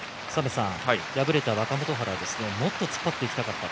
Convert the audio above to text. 敗れた若元春もっと突っ張っていきたかった。